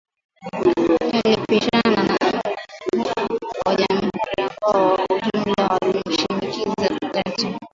Walipishana na wa Jamhuri ambao kwa ujumla walimshinikiza Jackson.